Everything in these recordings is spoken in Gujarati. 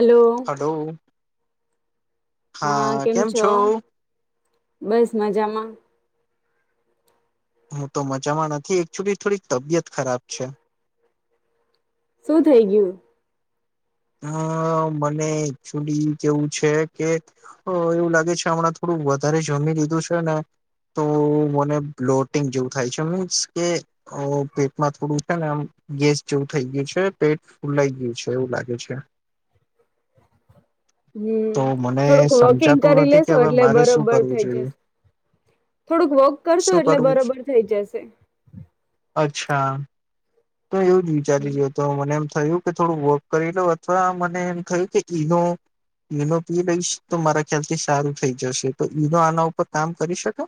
Hello hello. હા, કેમ છો? બસ મજામાં. હું તો મજામાં નથી એકચુલી થોડીક તબિયત ખરાબ છે. શું થઇ ગયું? અહ મને એકચુલી કેવું છે કે અહ એવું લાગે છે હમણાં થોડું વધારે જમી લીધું છે ને તો મને બ્લોટિંગ જેવું થાય છે મીન્સ કે અહ પેટમાં થોડું છે ને આમ ગેસ જેવું થઈ ગયું છે પેટ ફૂલાઈ ગયું છે એવું લાગે છે. છે. હમ્મ, તો મને થોડુંક વોકિંગ સમજાતું કરી નથી કે લેશો હવે એટલે મારે શું બરોબર કરવું થઈ જશે. જોઈએ થોડુંક વોક કરશો શું એટલે કરવું બરોબર થઇ જશે. છા. તો એવું જ વિચારી જો તો મને એમ થયું કે થોડું વોક કરી લો અથવા મને એમ થયું કે ઈનો ઈનો પી લઈશ તો મારા ખ્યાલ થી સારું થઈ જશે તો ઈનો આના ઉપર કામ કરી શકે?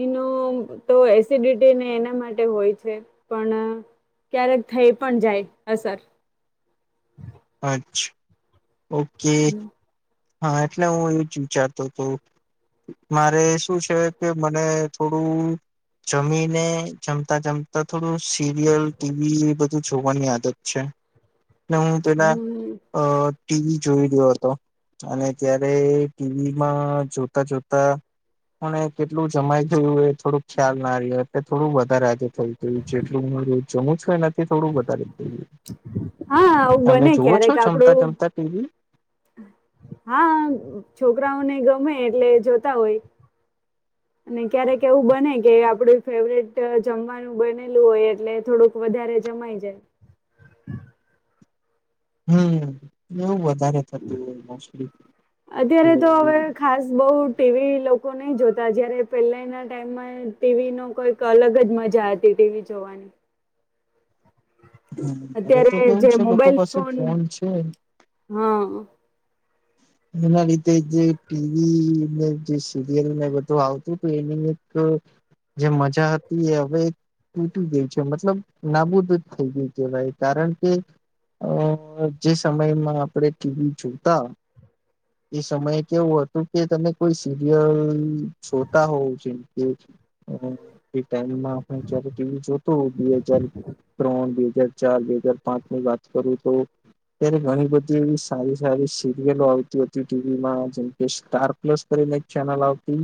ઈનો તો એસિડિટીને એના માટે હોય છે પણ અહ ક્યારેક થઈ પણ જાય અસર. અચ્છ ઓકે. હા, એટલે હું એવું જ વિચારતો હતો. મારે શું છે કે મને થોડું જમીને જમતા જમતા થોડું સીરિયલ ટી વી બ ધું જોવાની આદત છે. ને હું પેલા હમ અહ ટી વી જોઈ રહ્યો હતો. અને ત્યારે ટી વી માં જોતા જોતા મને કેટલું જમાઈ થયું હો થોડું ખ્યાલ ના રહ એટલે થોડું વધારે આજે થઈ ગયું જેટલું હું રોજ જમું જુ એના થી થોડું વધારે થઈ ગયું. હા આવું તમે બને જોવો છો ક્યારેક જમતા આપડું જમતા ટી વી? હા, છોકરાઓને ગમે એટલે જોતા હોય અને ક્યારેક એવું બને કે આપડું ફેવરેટ અહ જમવાનું બનેલું હોય એટલે થોડુંક વધારે જમાય જાય. હમ્મ, એવું બ અત્યારે તો હવે ખાસ બહુ ટી વી લોક કો નહી જોતા જયારે પેલા ના ટાઈમમાં ટી વી નો કોઈક અલગ જ મજા હતી ટી વી જોવાની. હ, હવે તો અત્યારે કેવું જે છે લોકો મોબાઈલ પાસે ફોન છે હા એના લીધે જે ટી વી ને જે સીરિયલને બધું આવતું તું એની એક જે મજા હતી એ હવે તૂટી ગઈ છે મતલબ નાબૂદ જ થઈ ગય કવાય કારણ કે અહ જે સમયમાં આપડે ટી વી જોતા એ સમયે કેવું હતું કે તમે કોઈ સિરિયલ જોતા હોવ જેમ કે ટમમાંવી જો હો બે હજ ત્રણ બે હજર ચાર બે હજાર પાંચ ની વાત કરું તો ત્યારે ઘણી બધી એ સારી સારી આવ જેમકે સ્ટાર પ્લસ કરીને એક ચેનલ આવતી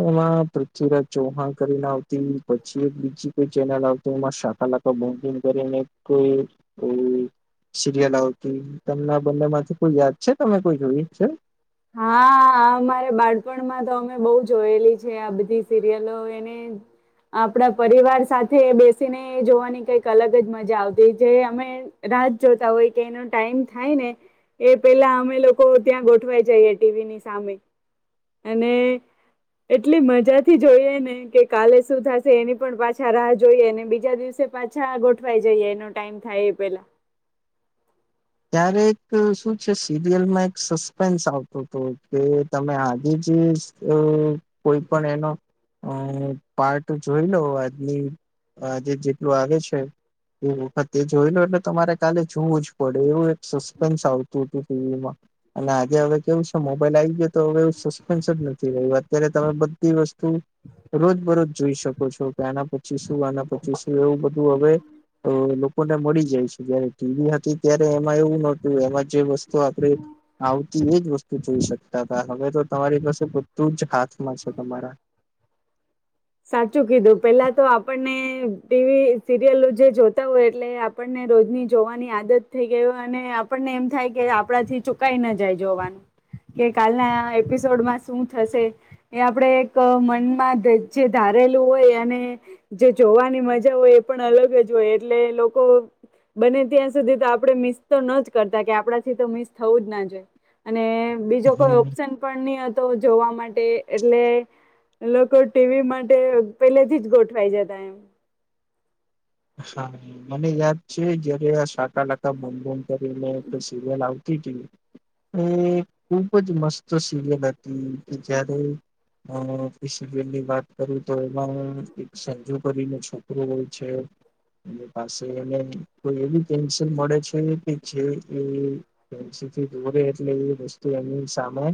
એમાં પૃથ્વીરાજ ચૌહાણ કરીને આવતી પછી. એક બીજી કોઈ ચેનલ આવતી શાકાલા કરીને કોઈ સિરયલ આવતી તેમના બંને માંથી કોઈ યાદ છે તમે કોઈ જોઈ છે હા અમારે બાળપણમાં તો બહ જોયેલી છે આ બધી સિરિયલો એને આપણા પરિવાર સાથે બેસીને જોવાની કઈક અલગ જ મજા આવતી જે અમે રાત જોતા હોય કે એનો ટાઈમ થાય ને એ પેલા અમે લોકો ત્યાં ગોઠવાય જઈએ ટીવીની સામે. અને એટલી મજાથી જોઈએ ને કે કાલે શું થશે એની પણ પાછા રાહ જોઈએ અને બીજા દિવસે પાછા ગોઠવાઈ જઈએ એનો ટાઈમ થાય એ પેલા. ત્યારે એક શું છે સિરિયલમાં એક સસ્પેન્સ આવતો હતો કે તમે આજે જ કોઈ પણ એનો અ પાર્ટ જોઈ લો આજની આજે જેટલું આવે છે એ વખતે જોઈ લો એટલે તમારે કાલે જોવું જ પડે. એવું એક સસ્પેન્સ આવત તુ તો વા અને આજે હવે કેવું છે. મોબાઈલ આવી ગયો તો હવે એવું સસ્પેન્સ જ નથી રહ્યું અત્યારે તમે બધી વસ્તુ રોજ બરોજ જોઈ શકો છો કે આના પછી શું આના પછી શું એવું બધું હવે લોકોને મળી જાય છે જયારે ટીવી હતી. અત્યારે એમાં એવું નહોતું એમાં જે વસ્તુ આપણે આવતી એજ વસ્તુ જોઈ શકતા હતા હવે તો તમારી પાસે બધું જ હાથમાં છે. તમારા સાચું કીધું પેલા તો આપણને ટીવી સિરિયલ જે જોતા હોય એટલે આપણને રોજની જોવાની આદત થઈ ગય હોય અને આપણને એમ થાય કે આપણાથી ચુકાઈ ના જાય જોવાનું કે કાલના એપિસોડમાં શું થશે એ આપણે એક મનમાં જે ધારેલું હોય અને જે જોવાની મજા હોય એ પણ અલગ જ હોય એટલે લોકો બને ત્યાં સુધી તો આપણે મિસ તો ન જ કરતા કે આપણાથી તો મિસ થવું જ ના જોઈએ અને. બીજો કોઈ હમ ઓપ્શન પણ નહીં તો જોવા માટે, એટલે લોકો ટીવી માટે પેલે થી જ ગોઠવાઈ જતા એમ. હા મને યાદ છે જયારે આ સાાકાલાકા બ કરીને એક સિરિયલ આવતી હતી, એ ખુબ જ મસ્ત સિરિયલ હતી. કે જારે એ સિરયલની વાત કર તો એમાં એક સંજુ કરીનો છોકરો હોય છે. પા એને કોઈ એવી પેન્સિલ મળે છે કે જે એ પેન્સિલ થી દોરે એટલે એ વસ્તુ એની સામે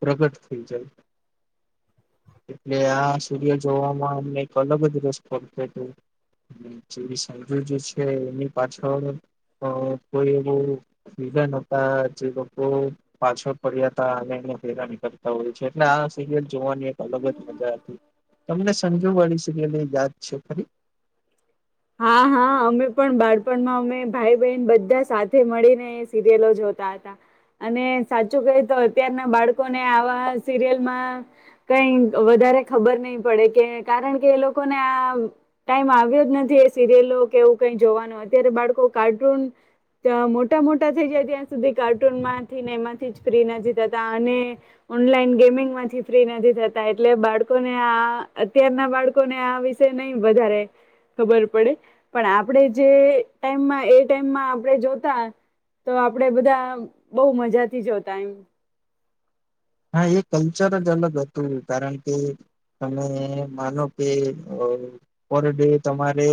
પ્રગટ થઈ જાય એટલે આ સૂર્ય જોવામાં અમને એક અલગ જ રસ પડતો હતો. જેવી સા જે છે એની પાછળ અ કોઈ એવું વિધન હતા જે લોકો પાછળ પડ્યા હતા અને એ હેરાની કરતા હોય છે એટલે આ સરયલ જોવાની એક અલગ જ મજા હતી તમને સંજો વાળી સિરયલ યાદ છે ખરી? હા હા અમે પણ બાળપણમાં અમે ભાઈ બહેન બધા સાથે મળીને એ સિરિયલો જોતા હતા. અને સાચું ક તો અત્યારના બાળકોને આવા સિરિયલમાં કઈ વધારે ખબર નહી પડે કે કારણ કે એ લોકોને આ ટાઈમ આવ્યો જ નથી એ સિરિયલો કે એવું કઈ જોવાનો અત્યારે બાળકો કાર્ટૂન મોટા મોટા થઈ જાય ત્યાં સુધી કાર્ટૂન માંથીને એમાંથી ફ્રી નથી થતા અને ઓનલાઈન ગેમિંગ માંથી ફ્રી નથી. એટલે બાળકોને આ અત્યારના બાળકોને આ વિષ નહી વધારે ખબર પડે. પણ આપણે જે ટાઈમ એ ટાઈમમાં આપણે જોતા તો આપણેે બધા બહુ મજાથી જોતા એમ હા એ કલ્ચર જ અલગ હતું કારણ કે તમે માનો કે પર ડે તમારે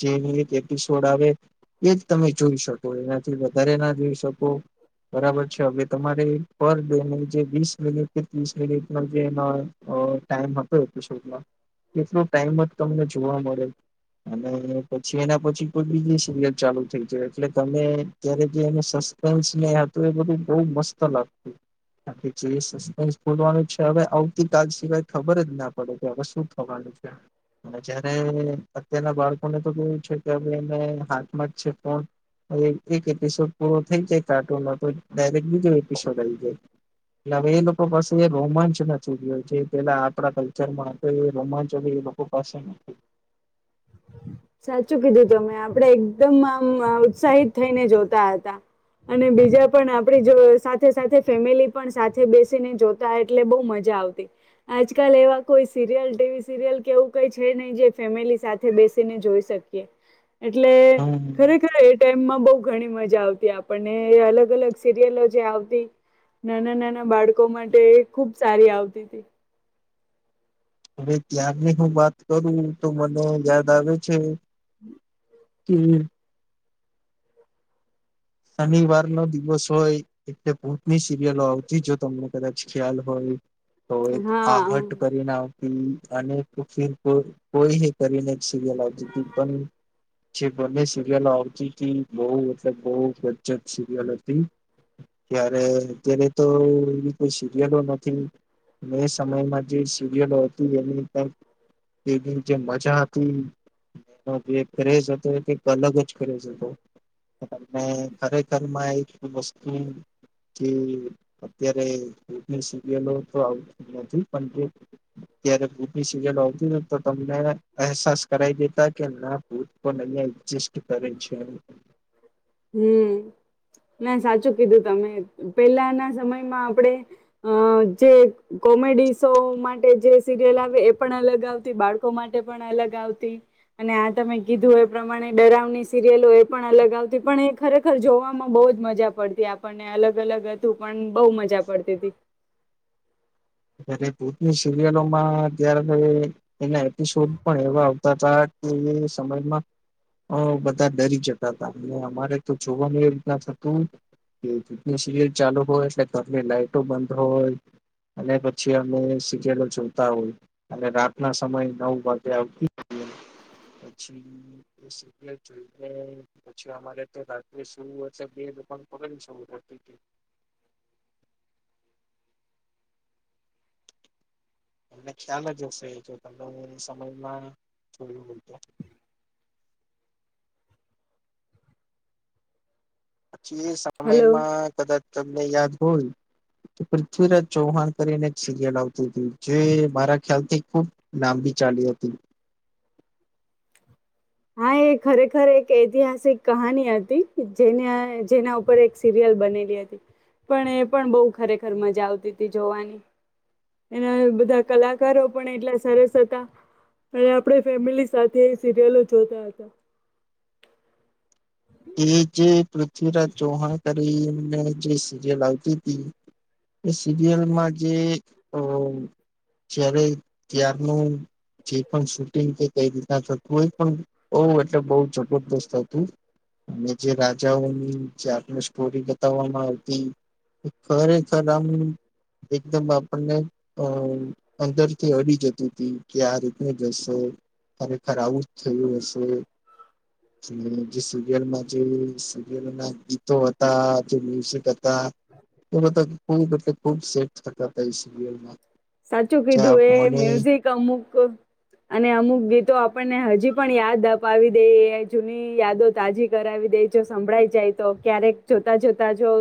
જે એક એપિસોડ આવે એ જ તમે જોઈ શકો એનાથી વધારે ના જોઈ શકો બરાબર છે હવે તમારે પર ડે મિનટ કે ત્રીસ મિનિટમાં જે એ ટાઈમ હતો એપિસોડમાં એટલો ટાઈમ જ તમને જોવા મળે અને પછી એના પછી કોઈ બીજી સિરિયલ ચાલુ થઈ જાય એટલે ત્યારે જે સસ્પેન્સ હતું એ બધું બ મસ્ત લાગતું. વા હવે આવતીકાલ સિવાય ખબર જ ના પડે કે હવે શું થવાનું છે જયારે અત્યારના બાળકોને તો કેવું છે કે એ હાથમાં જ છે પણ એક એપિસોડ પૂરો થઈ જાય કાર્ટૂન તો ડરેક બીજો એપિસોડ જાય. [unintelligible] પાસે એ રોમાંચ નથી ગયો જે પેલા આપણા કલ્ચરમાં રોમાંચ એ લોકો પાસે નથી. સાચું કીધું તમે આપડે એકદમ આમ ઉત્સાહિત થઈને જોતા હતા અને બીજા પણ આપડી સાથે સાથે ફેમિલી પણ સાથે બેસીને જોતા એટલે બહ મજા આવતી આજકાલ એવા કોઈ સિરયલ ટીવી સિરિયલ કે એવું કઈ છે નહી જે ફેમિલી સાથે બેસી ને જોઈ શકીએ. એટલે હમ ખરેખર એ ટાઈમ. બહ ઘણી મજા આવતી આપણને અલગ અલગ સિરિયલો જે આવતી નાના નાના બાળકો માટે ખુબ સારી આવતી હતી. હવે ત્યારની હું વાત કરું તો મને યાદ આવે છે. હમ. હ. શનિવાર નો દિવસ હોય એટલે ભૂતની સિરિયલો આવતી જો તમને કદાચ ખ્યાલ હોય તો એક હા આહટ કરીને અને ફ કોઈ કરીને કોઈએ કરીને સીરયલ આવતી હતી પણ જે બને સિરિયલો આવતી હતી બહુ મતલબ બહુ ગજબ સિરિયલ હતી ત્યારે અત્યારે તો એવી કોઈ સિરિયલો નથી મે સમયમાં જે સિરિયલો હતી એની એની જે મજા હતી એનો જે ક્રેઝ હતો એક અલગ જ ક્રેઝ હતો. ત ખરેખરમાં એક વસ્તુ કે અત્યારે ભૂૂતની સિરયલો તો આવતી નથી પણ્યારે ભૂતની સિરિયલો આવતી નથી. તો તમને અહેસાસ કરાઈ દેતા કે ના ભૂત પણ અહીં એક્જસ્ટ કરે છે. હમ ના સાચું કીધું તમે પેલાના સમયમાં આપણેે અ જે કોમેડી શો માટે જે સિરિયલ આવે એ પણ અલગ આવતી બાળકો માટે પણ અલગ આવતી અને આ તમે કીધું એ પ્રમાણે ડરાવની સિરિયલો પણ અલગ આવતી પણ એ ખરેખર જોવામાં બહુ જ મજા પડતી આપણને અલગ અલગ હતું પણ બહુ મજા પડતી હતી. ત્યારે ભુતની સિરિયલોમાં ત્યારે એના એપિસોડ પણ એવા આવતા હતા કે એ સમયમાં બધા ડરી જતા હતા. અને અમારે તો જોવાનું એ રીતના થતું કે ભુતની સિરિયલ ચાલુ હોય એટલે ઘરની લાઈટો બંધ હોય. અને પછી અમે સીરીયલો જોતા હોય અને રાતના સમય નવ વાગે આવતીએ. પછી એ જોઈને પછી અમારે તો રાત્રે શું હશે બે [unintelligible] સવું પડતી કે તમને ખ્યાલ જ હશે એ જો તમે હું સમયમાં જોયું હોય તો. જે હલો સમયમાં કદાચ તમને યાદ હોય તો પૃથ્વીરાજ ચૌહાણ કરીને એક સિરિયલ આવતી હતી જે મારા ખ્યાલથી ખૂબ લાંબી ચાલી હતી. હા એ ખરેખર એક ઐતિહાસિક કહાની હતી. જેને જેના ઉપર એક સિરિયલ બનેલી હતી પણ એ પણ બહુ ખરેખર મજા આવતી હતી જોવાની. એના બધા કલાકારો પણ એટલા સરસ હતા પણ આપણે ફેમિલી સાથે સિરિયલો જોતા હતા. એ જે પૃથ્વીરાજ ચૌહાણ કરીને જે સિરિયલ આવતી હતી એ સિરિયલમાં જે જ્યારે ત્યારનું જે પણ શૂટિંગ કે કઈ રીતના થતું હો એ પણ બહુ એટલે બહુ જબરદસ્ત હતું. અને જે રાજાઓની જે આપને સ્ટોરી બતાવવામાં આવતી એ ખરેખર આમ એકદમ આપણને અ અંદરથી અડી જતી હતી કે આ રીતને જ હશે ખરેખર આવું જ થયું હશે. અને જે સીરીયલો માં જે સીરીયલના ગીતો હતા. મ્યુઝિક હતા ખુબ એટલે ખુબ ખુબ સેટ થતાં હતા સિરયલમાં. સાચું કીધું એ મ્યુઝિક અમુક અને અમુક ગીતો આપણને હજી પણ યાદ અપાવી દે જૂની યાદો તાજી કરાવી દે જો સંભળાય જાય તો ક્યારેક જોતા જોતા જો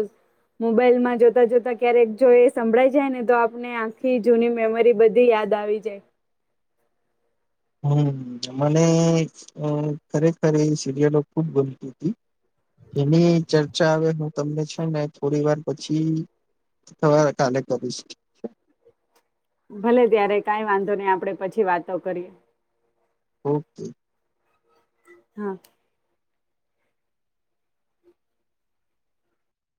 મોબાઈલમાં જોતા જોતા ક્યારેક જો એ સંભળાઈ જાય ને તો આપણે આ ખી જૂની મેમરી બધી યાદ આવી જાય. હમ મને ખરેખર સિરિયલો ખુબ ગમતી હતી એની ચર્ચા હવે હું તમને છે ને થોડી વાર પછી કાલે કરીશ. ભલે ત્યારે કઈ વાંધો નઈ આપડે પછી વાતો કરીએ. ઓકે. હા.